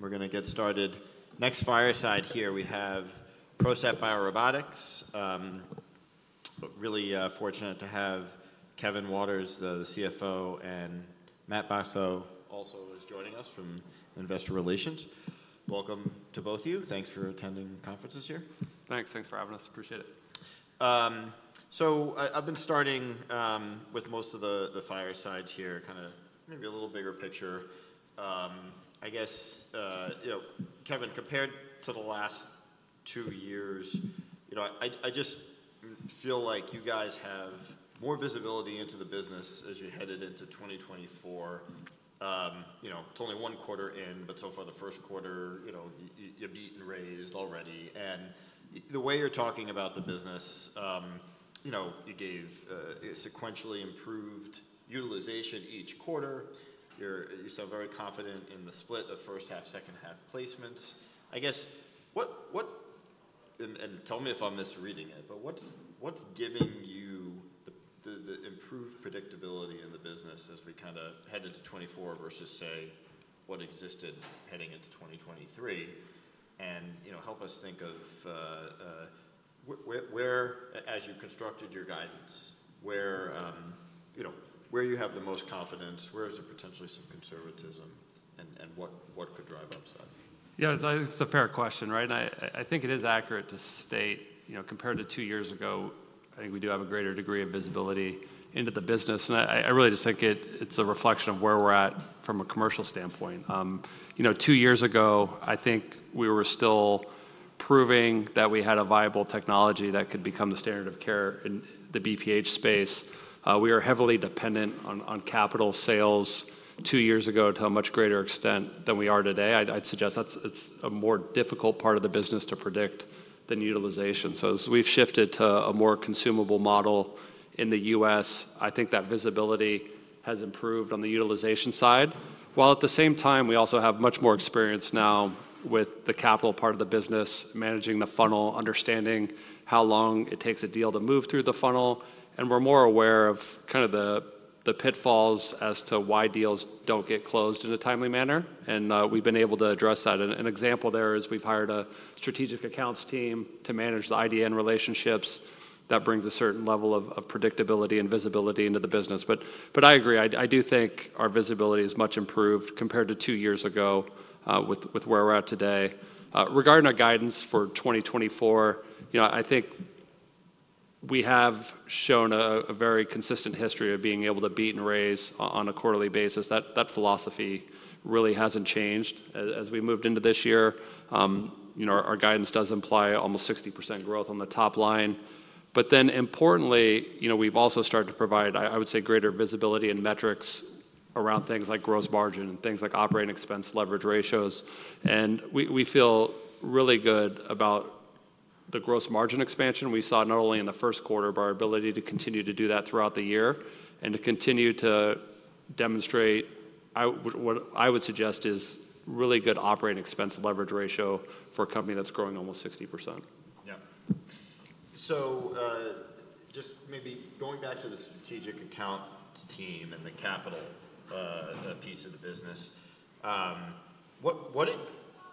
We're going to get started. Next fireside here, we have PROCEPT BioRobotics. Really fortunate to have Kevin Waters, the CFO, and Matt Bacso, also joining us from Investor Relations. Welcome to both of you. Thanks for attending conferences here. Thanks. Thanks for having us. Appreciate it. So I've been starting with most of the firesides here, kind of maybe a little bigger picture. I guess, Kevin, compared to the last two years, I just feel like you guys have more visibility into the business as you headed into 2024. It's only one quarter in, but so far the first quarter, you've beat and raised already. And the way you're talking about the business, you gave sequentially improved utilization each quarter. You sound very confident in the split of first half, second half placements. I guess, what—and tell me if I'm misreading it—but what's giving you the improved predictability in the business as we kind of head into 2024 versus, say, what existed heading into 2023? And help us think of where, as you constructed your guidance, where you have the most confidence, where is there potentially some conservatism, and what could drive upside? Yeah, it's a fair question, right? I think it is accurate to state, compared to two years ago, I think we do have a greater degree of visibility into the business. I really just think it's a reflection of where we're at from a commercial standpoint. Two years ago, I think we were still proving that we had a viable technology that could become the standard of care in the BPH space. We were heavily dependent on capital sales two years ago to a much greater extent than we are today. I'd suggest that's a more difficult part of the business to predict than utilization. As we've shifted to a more consumable model in the US, I think that visibility has improved on the utilization side. While at the same time, we also have much more experience now with the capital part of the business, managing the funnel, understanding how long it takes a deal to move through the funnel. And we're more aware of kind of the pitfalls as to why deals don't get closed in a timely manner. And we've been able to address that. An example there is we've hired a Strategic Accounts Team to manage the IDN and relationships that brings a certain level of predictability and visibility into the business. But I agree, I do think our visibility is much improved compared to two years ago with where we're at today. Regarding our guidance for 2024, I think we have shown a very consistent history of being able to beat and raise on a quarterly basis. That philosophy really hasn't changed as we moved into this year. Our guidance does imply almost 60% growth on the top line. But then importantly, we've also started to provide, I would say, greater visibility and metrics around things like gross margin and things like operating expense leverage ratios. And we feel really good about the gross margin expansion we saw not only in the first quarter, but our ability to continue to do that throughout the year and to continue to demonstrate, I would suggest, is really good operating expense leverage ratio for a company that's growing almost 60%. Yeah. So just maybe going back to the strategic accounts team and the capital piece of the business,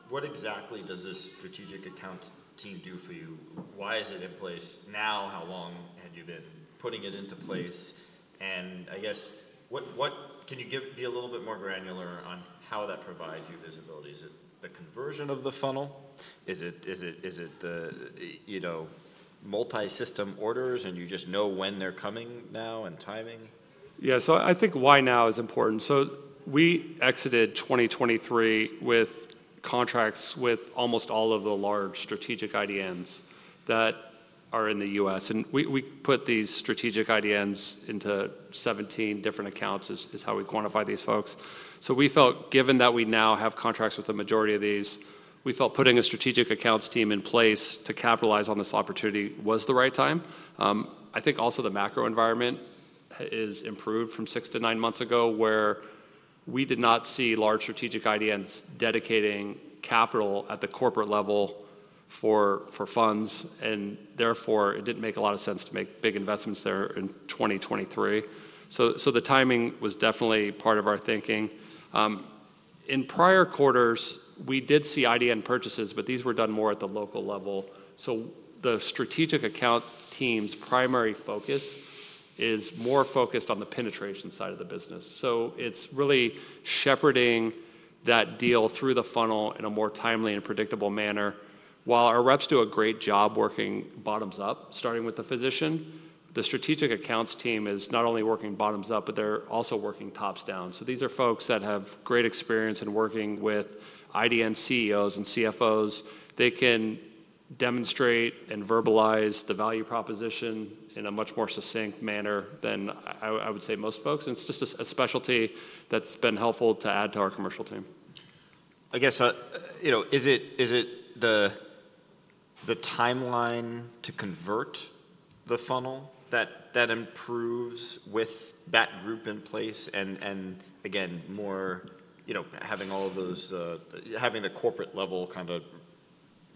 what exactly does this strategic accounts team do for you? Why is it in place now? How long had you been putting it into place? And I guess, can you be a little bit more granular on how that provides you visibility? Is it the conversion of the funnel? Is it the multi-system orders, and you just know when they're coming now and timing? Yeah. So I think why now is important. So we exited 2023 with contracts with almost all of the large strategic IDNs that are in the US. And we put these strategic IDNs into 17 different accounts is how we quantify these folks. So we felt, given that we now have contracts with the majority of these, we felt putting a strategic accounts team in place to capitalize on this opportunity was the right time. I think also the macro environment is improved from six to nine months ago where we did not see large strategic IDNs dedicating capital at the corporate level for funds. And therefore, it didn't make a lot of sense to make big investments there in 2023. So the timing was definitely part of our thinking. In prior quarters, we did see IDN purchases, but these were done more at the local level. So the Strategic Accounts Team's primary focus is more focused on the penetration side of the business. So it's really shepherding that deal through the funnel in a more timely and predictable manner. While our reps do a great job working bottoms up, starting with the physician, the Strategic Accounts Team is not only working bottoms up, but they're also working tops down. So these are folks that have great experience in working with IDN CEOs and CFOs. They can demonstrate and verbalize the value proposition in a much more succinct manner than I would say most folks. And it's just a specialty that's been helpful to add to our commercial team. I guess, is it the timeline to convert the funnel that improves with that group in place? And again, having all of those, having the corporate level kind of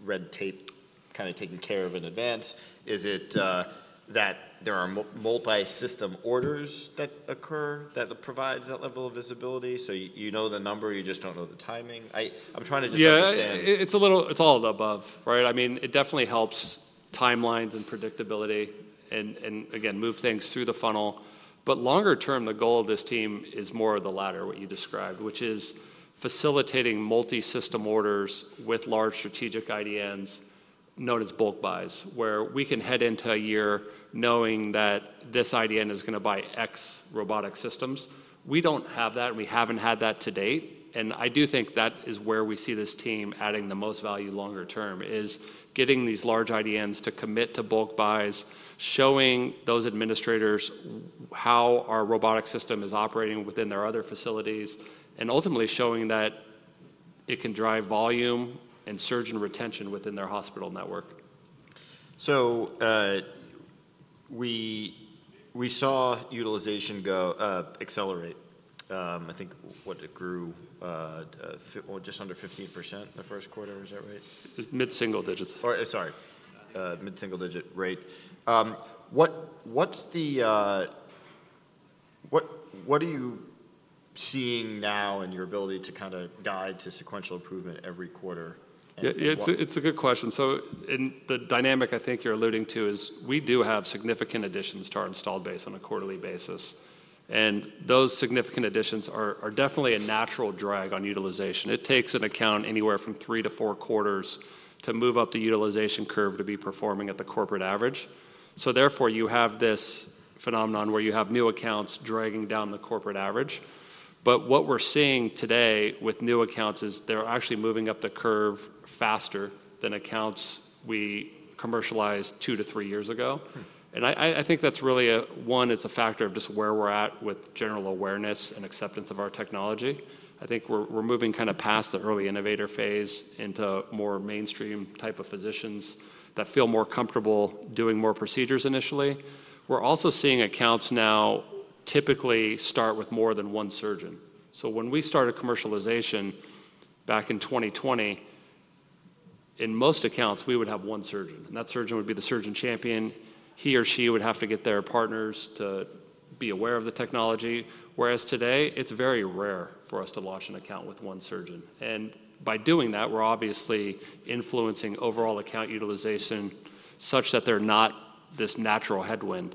red tape kind of taken care of in advance, is it that there are multi-system orders that occur that provides that level of visibility? So you know the number, you just don't know the timing. I'm trying to just understand. Yeah. It's all of the above, right? I mean, it definitely helps timelines and predictability and, again, move things through the funnel. But longer term, the goal of this team is more of the latter, what you described, which is facilitating multi-system orders with large strategic IDNs known as bulk buys, where we can head into a year knowing that this IDN is going to buy X robotic systems. We don't have that, and we haven't had that to date. And I do think that is where we see this team adding the most value longer term, is getting these large IDNs to commit to bulk buys, showing those administrators how our robotic system is operating within their other facilities, and ultimately showing that it can drive volume and surgeon retention within their hospital network. We saw utilization accelerate. I think what it grew just under 15% the first quarter. Is that right? Mid-single digits. Sorry. Mid-single digit rate. What are you seeing now in your ability to kind of guide to sequential improvement every quarter? Yeah, it's a good question. So the dynamic I think you're alluding to is we do have significant additions to our installed base on a quarterly basis. And those significant additions are definitely a natural drag on utilization. It takes an account anywhere from 3-4 quarters to move up the utilization curve to be performing at the corporate average. So therefore, you have this phenomenon where you have new accounts dragging down the corporate average. But what we're seeing today with new accounts is they're actually moving up the curve faster than accounts we commercialized 2-3 years ago. And I think that's really, 1, it's a factor of just where we're at with general awareness and acceptance of our technology. I think we're moving kind of past the early innovator phase into more mainstream type of physicians that feel more comfortable doing more procedures initially. We're also seeing accounts now typically start with more than one surgeon. So when we started commercialization back in 2020, in most accounts, we would have one surgeon. And that surgeon would be the surgeon champion. He or she would have to get their partners to be aware of the technology. Whereas today, it's very rare for us to launch an account with one surgeon. And by doing that, we're obviously influencing overall account utilization such that they're not this natural headwind.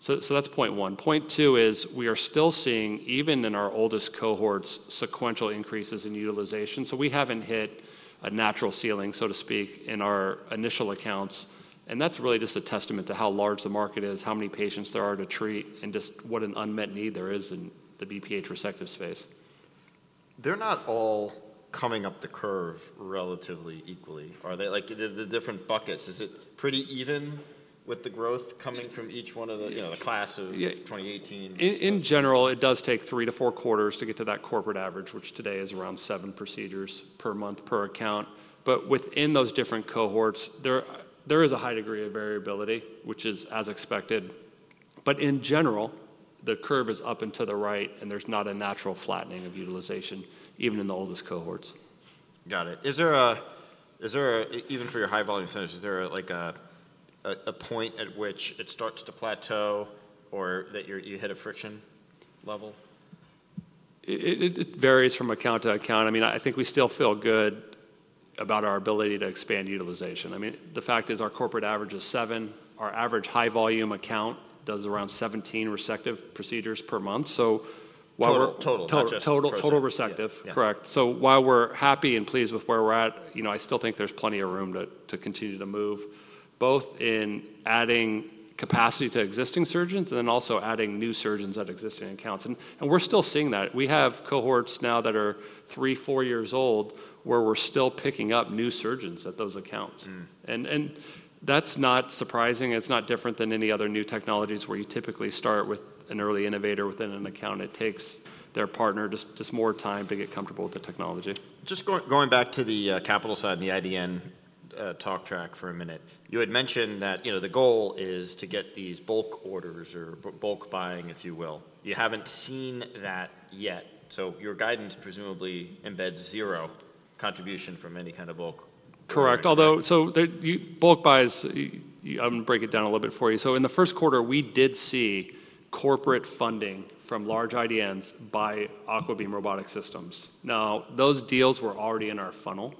So that's point one. Point two is we are still seeing, even in our oldest cohorts, sequential increases in utilization. So we haven't hit a natural ceiling, so to speak, in our initial accounts. And that's really just a testament to how large the market is, how many patients there are to treat, and just what an unmet need there is in the BPH resective space. They're not all coming up the curve relatively equally, are they? The different buckets, is it pretty even with the growth coming from each one of the classes of 2018? In general, it does take 3-4 quarters to get to that corporate average, which today is around 7 procedures per month per account. Within those different cohorts, there is a high degree of variability, which is as expected. In general, the curve is up and to the right, and there's not a natural flattening of utilization, even in the oldest cohorts. Got it. Even for your high volume centers, is there a point at which it starts to plateau or that you hit a friction level? It varies from account to account. I mean, I think we still feel good about our ability to expand utilization. I mean, the fact is our corporate average is 7. Our average high volume account does around 17 resective procedures per month. So while we're. Total. Total resective. Correct. So while we're happy and pleased with where we're at, I still think there's plenty of room to continue to move, both in adding capacity to existing surgeons and then also adding new surgeons at existing accounts. And we're still seeing that. We have cohorts now that are 3, 4 years old where we're still picking up new surgeons at those accounts. And that's not surprising. It's not different than any other new technologies where you typically start with an early innovator within an account. It takes their partner just more time to get comfortable with the technology. Just going back to the capital side and the IDN talk track for a minute, you had mentioned that the goal is to get these bulk orders or bulk buying, if you will. You haven't seen that yet. So your guidance presumably embeds zero contribution from any kind of bulk. Correct. So bulk buys, I'm going to break it down a little bit for you. So in the first quarter, we did see corporate funding from large IDNs by AquaBeam Robotic Systems. Now, those deals were already in our funnel.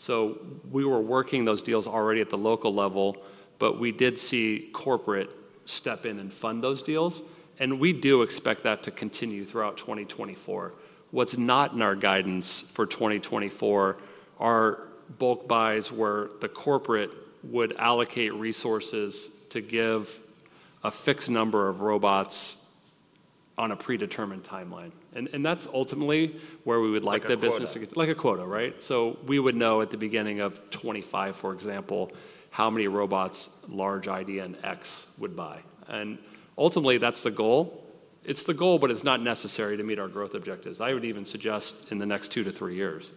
So we were working those deals already at the local level, but we did see corporate step in and fund those deals. And we do expect that to continue throughout 2024. What's not in our guidance for 2024 are bulk buys where the corporate would allocate resources to give a fixed number of robots on a predetermined timeline. And that's ultimately where we would like the business to go. Like a quota. Like a quota, right? So we would know at the beginning of 2025, for example, how many robots large IDN X would buy. And ultimately, that's the goal. It's the goal, but it's not necessary to meet our growth objectives. I would even suggest in the next two to three years.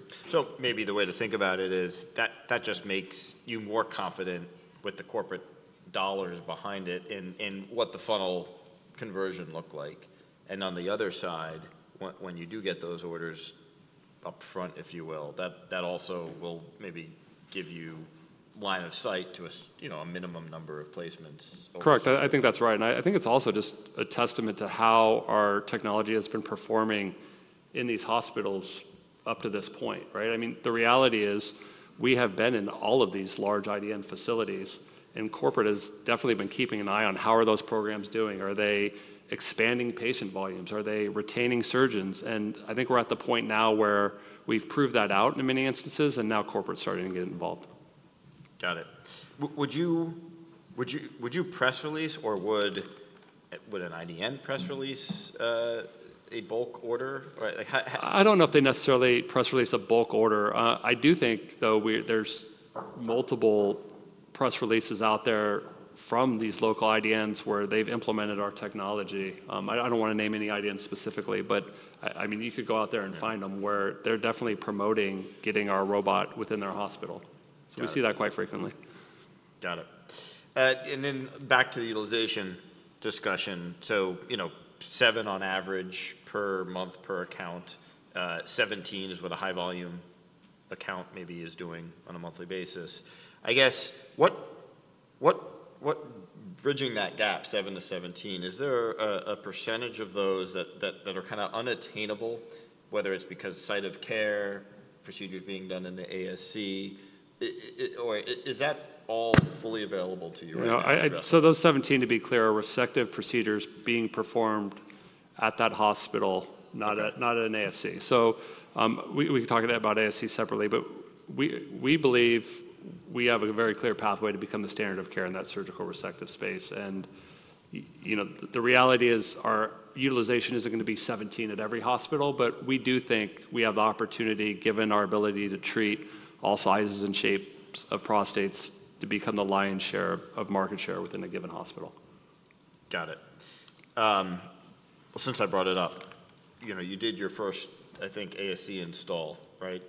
Maybe the way to think about it is that just makes you more confident with the corporate dollars behind it and what the funnel conversion looked like. On the other side, when you do get those orders upfront, if you will, that also will maybe give you line of sight to a minimum number of placements. Correct. I think that's right. I think it's also just a testament to how our technology has been performing in these hospitals up to this point, right? I mean, the reality is we have been in all of these large IDN facilities, and corporate has definitely been keeping an eye on how are those programs doing? Are they expanding patient volumes? Are they retaining surgeons? I think we're at the point now where we've proved that out in many instances, and now corporate's starting to get involved. Got it. Would you press release or would an IDN press release a bulk order? I don't know if they necessarily press release a bulk order. I do think, though, there's multiple press releases out there from these local IDNs where they've implemented our technology. I don't want to name any IDNs specifically, but I mean, you could go out there and find them where they're definitely promoting getting our robot within their hospital. We see that quite frequently. Got it. And then back to the utilization discussion. So 7 on average per month per account. 17 is what a high volume account maybe is doing on a monthly basis. I guess, bridging that gap, 7-17, is there a percentage of those that are kind of unattainable, whether it's because site of care, procedures being done in the ASC, or is that all fully available to you? Those 17, to be clear, are resective procedures being performed at that hospital, not at an ASC. We can talk about ASC separately, but we believe we have a very clear pathway to become the standard of care in that surgical resective space. The reality is our utilization isn't going to be 17 at every hospital, but we do think we have the opportunity, given our ability to treat all sizes and shapes of prostates, to become the lion's share of market share within a given hospital. Got it. Well, since I brought it up, you did your first, I think, ASC install, right?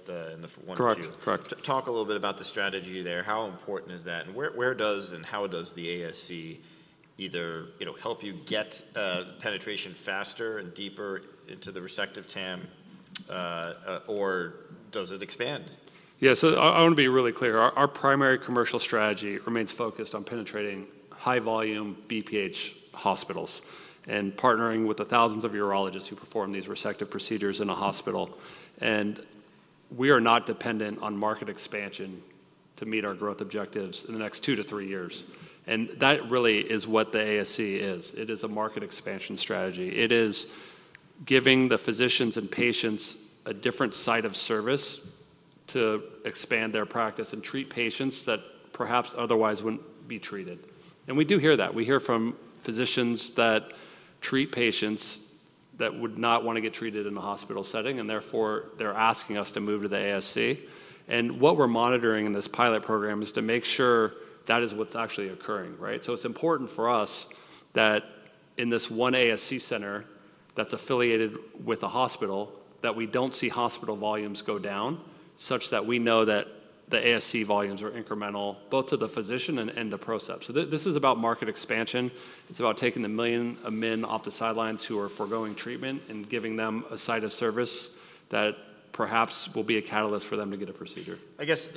Correct. Talk a little bit about the strategy there. How important is that? And where does and how does the ASC either help you get penetration faster and deeper into the resective TAM, or does it expand? Yeah. So I want to be really clear. Our primary commercial strategy remains focused on penetrating high volume BPH hospitals and partnering with the thousands of urologists who perform these resective procedures in a hospital. And we are not dependent on market expansion to meet our growth objectives in the next 2-3 years. And that really is what the ASC is. It is a market expansion strategy. It is giving the physicians and patients a different site of service to expand their practice and treat patients that perhaps otherwise wouldn't be treated. And we do hear that. We hear from physicians that treat patients that would not want to get treated in the hospital setting, and therefore, they're asking us to move to the ASC. And what we're monitoring in this pilot program is to make sure that is what's actually occurring, right? So it's important for us that in this one ASC center that's affiliated with a hospital, that we don't see hospital volumes go down such that we know that the ASC volumes are incremental, both to the physician and PROCEPT. So this is about market expansion. It's about taking 1 million men off the sidelines who are forgoing treatment and giving them a site of service that perhaps will be a catalyst for them to get a procedure. I guess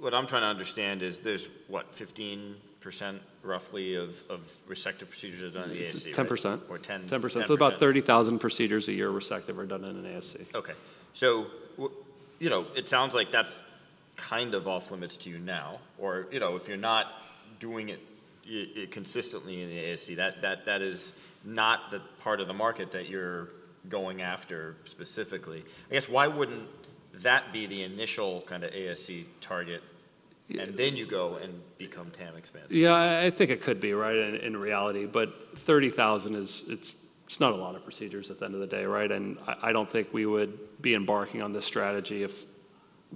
what I'm trying to understand is there's, what, 15% roughly of resective procedures are done in the ASC? 10%. Or 10? 10%. So about 30,000 procedures a year resective are done in an ASC. Okay. So it sounds like that's kind of off-limits to you now. Or if you're not doing it consistently in the ASC, that is not the part of the market that you're going after specifically. I guess why wouldn't that be the initial kind of ASC target, and then you go and become TAM expansion? Yeah, I think it could be, right, in reality. But 30,000, it's not a lot of procedures at the end of the day, right? And I don't think we would be embarking on this strategy if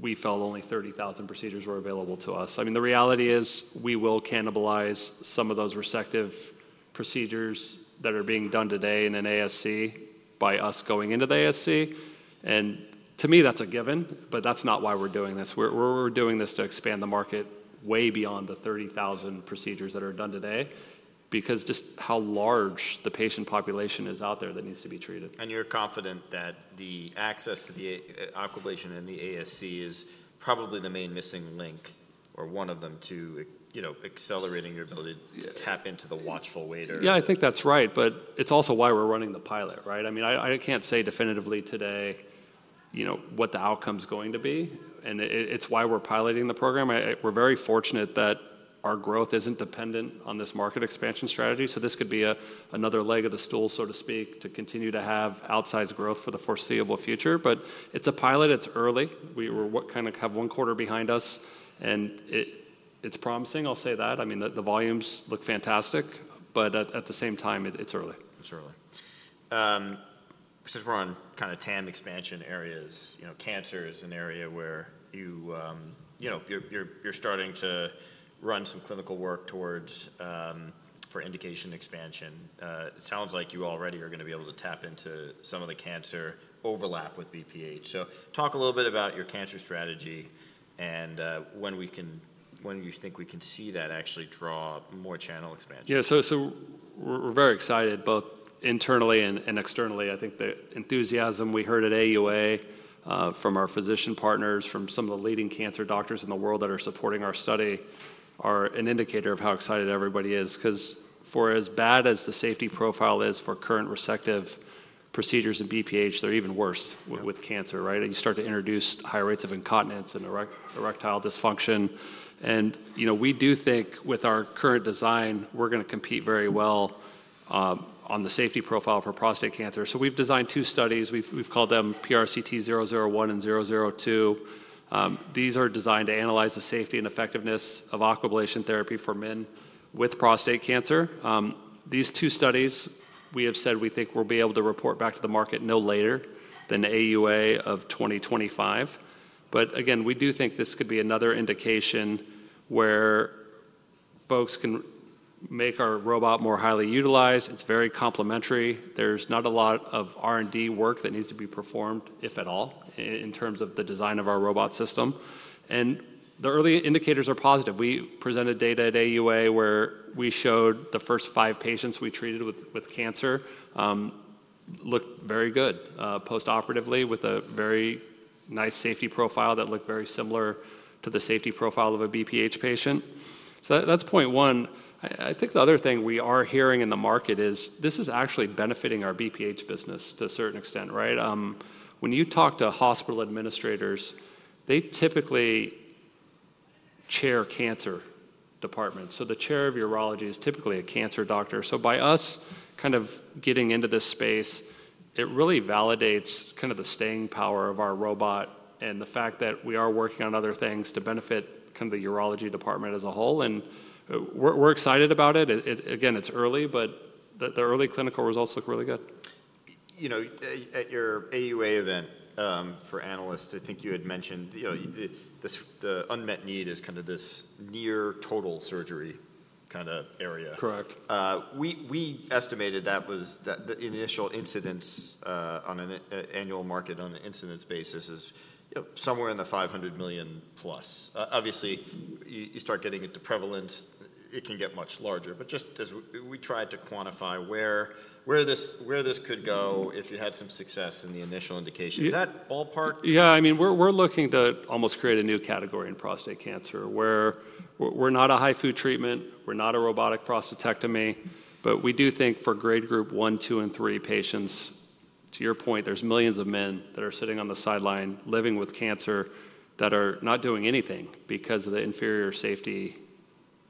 we felt only 30,000 procedures were available to us. I mean, the reality is we will cannibalize some of those resective procedures that are being done today in an ASC by us going into the ASC. And to me, that's a given, but that's not why we're doing this. We're doing this to expand the market way beyond the 30,000 procedures that are done today because just how large the patient population is out there that needs to be treated. You're confident that the access to the Aquablation and the ASC is probably the main missing link or one of them to accelerating your ability to tap into the watchful waiting? Yeah, I think that's right. But it's also why we're running the pilot, right? I mean, I can't say definitively today what the outcome's going to be. And it's why we're piloting the program. We're very fortunate that our growth isn't dependent on this market expansion strategy. So this could be another leg of the stool, so to speak, to continue to have outsized growth for the foreseeable future. But it's a pilot. It's early. We kind of have one quarter behind us, and it's promising, I'll say that. I mean, the volumes look fantastic, but at the same time, it's early. It's early. Since we're on kind of TAM expansion areas, cancer is an area where you're starting to run some clinical work for indication expansion. It sounds like you already are going to be able to tap into some of the cancer overlap with BPH. So talk a little bit about your cancer strategy and when you think we can see that actually draw more channel expansion. Yeah. So we're very excited, both internally and externally. I think the enthusiasm we heard at AUA from our physician partners, from some of the leading cancer doctors in the world that are supporting our study are an indicator of how excited everybody is. Because for as bad as the safety profile is for current resective procedures in BPH, they're even worse with cancer, right? You start to introduce higher rates of incontinence and erectile dysfunction. And we do think with our current design, we're going to compete very well on the safety profile for prostate cancer. So we've designed two studies. We've called them PRCT001 and PRCT002. These are designed to analyze the safety and effectiveness of Aquablation therapy for men with prostate cancer. These two studies, we have said we think we'll be able to report back to the market no later than AUA of 2025. But again, we do think this could be another indication where folks can make our robot more highly utilized. It's very complementary. There's not a lot of R&D work that needs to be performed, if at all, in terms of the design of our robot system. The early indicators are positive. We presented data at AUA where we showed the first five patients we treated with cancer looked very good post-operatively with a very nice safety profile that looked very similar to the safety profile of a BPH patient. That's point one. I think the other thing we are hearing in the market is this is actually benefiting our BPH business to a certain extent, right? When you talk to hospital administrators, they typically chair cancer departments. The chair of urology is typically a cancer doctor. By us kind of getting into this space, it really validates kind of the staying power of our robot and the fact that we are working on other things to benefit kind of the urology department as a whole. We're excited about it. Again, it's early, but the early clinical results look really good. At your AUA event for analysts, I think you had mentioned the unmet need is kind of this near total surgery kind of area. Correct. We estimated that the initial incidence on an annual market on an incidence basis is somewhere in the $500 million+. Obviously, you start getting into prevalence, it can get much larger. But just as we tried to quantify where this could go if you had some success in the initial indications, is that ballpark? Yeah. I mean, we're looking to almost create a new category in prostate cancer where we're not a HIFU treatment. We're not a robotic prostatectomy. But we do think for Grade Group 1, 2, and 3 patients, to your point, there's millions of men that are sitting on the sideline living with cancer that are not doing anything because of the inferior safety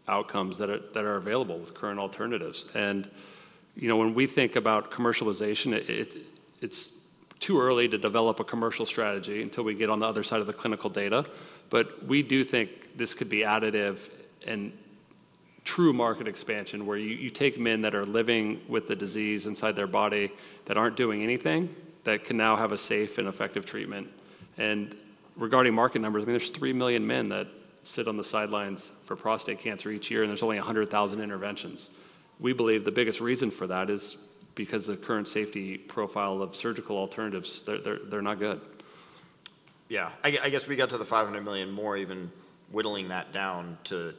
outcomes that are available with current alternatives. And when we think about commercialization, it's too early to develop a commercial strategy until we get on the other side of the clinical data. But we do think this could be additive and true market expansion where you take men that are living with the disease inside their body that aren't doing anything that can now have a safe and effective treatment. Regarding market numbers, I mean, there's 3 million men that sit on the sidelines for prostate cancer each year, and there's only 100,000 interventions. We believe the biggest reason for that is because the current safety profile of surgical alternatives, they're not good. Yeah. I guess we got to the 500 million more, even whittling that down to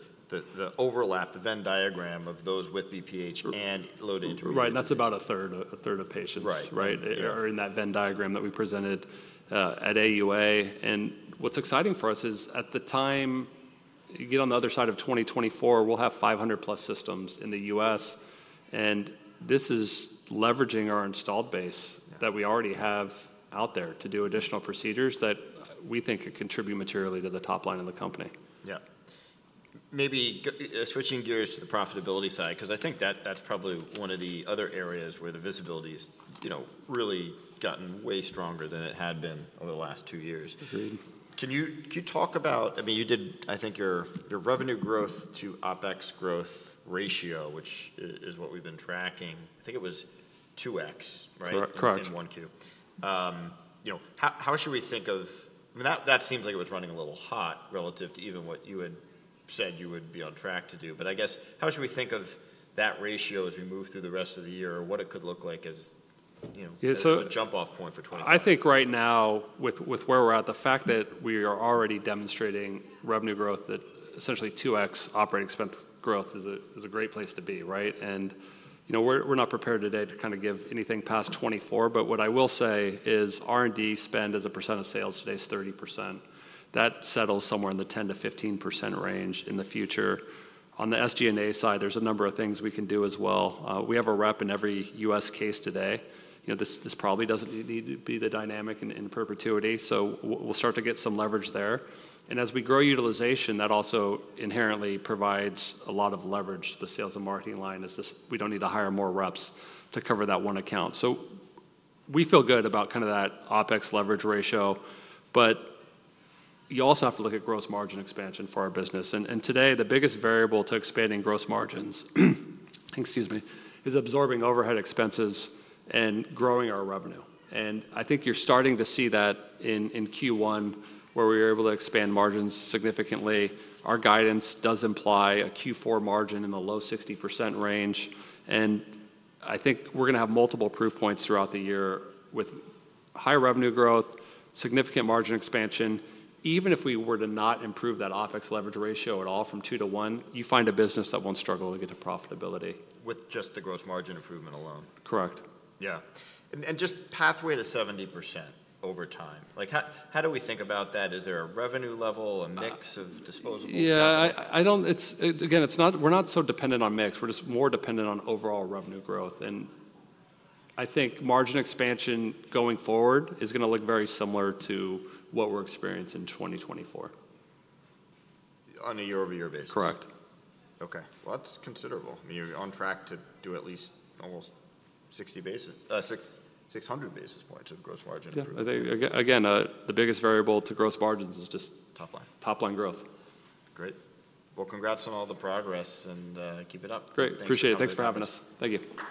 the overlap, the Venn diagram of those with BPH and low to intermediate. Right. And that's about a third of patients, right, are in that Venn diagram that we presented at AUA. And what's exciting for us is at the time you get on the other side of 2024, we'll have 500+ systems in the U.S. And this is leveraging our installed base that we already have out there to do additional procedures that we think could contribute materially to the top line of the company. Yeah. Maybe switching gears to the profitability side, because I think that's probably one of the other areas where the visibility has really gotten way stronger than it had been over the last two years. Can you talk about, I mean, you did, I think your revenue growth to OpEx growth ratio, which is what we've been tracking. I think it was 2x, right? Correct. In Q1, how should we think of, I mean, that seems like it was running a little hot relative to even what you had said you would be on track to do. But I guess how should we think of that ratio as we move through the rest of the year or what it could look like as a jump-off point for 2024? I think right now, with where we're at, the fact that we are already demonstrating revenue growth, that essentially 2x operating expense growth is a great place to be, right? And we're not prepared today to kind of give anything past 2024. But what I will say is R&D spend as a percent of sales today is 30%. That settles somewhere in the 10%-15% range in the future. On the SG&A side, there's a number of things we can do as well. We have a rep in every U.S. case today. This probably doesn't need to be the dynamic in perpetuity. So we'll start to get some leverage there. And as we grow utilization, that also inherently provides a lot of leverage to the sales and marketing line as we don't need to hire more reps to cover that one account. So we feel good about kind of that OpEx leverage ratio. But you also have to look at gross margin expansion for our business. And today, the biggest variable to expanding gross margins, excuse me, is absorbing overhead expenses and growing our revenue. And I think you're starting to see that in Q1 where we were able to expand margins significantly. Our guidance does imply a Q4 margin in the low 60% range. And I think we're going to have multiple proof points throughout the year with high revenue growth, significant margin expansion. Even if we were to not improve that OpEx leverage ratio at all from 2 to 1, you find a business that won't struggle to get to profitability. With just the gross margin improvement alone? Correct. Yeah. And just pathway to 70% over time. How do we think about that? Is there a revenue level, a mix of disposables? Yeah. Again, we're not so dependent on mix. We're just more dependent on overall revenue growth. I think margin expansion going forward is going to look very similar to what we're experiencing in 2024. On a year-over-year basis? Correct. Okay. Well, that's considerable. I mean, you're on track to do at least almost 60 basis, 600 basis points of gross margin improvement. Again, the biggest variable to gross margins is just top line growth. Great. Well, congrats on all the progress and keep it up. Great. Appreciate it. Thanks for having us. Thank you.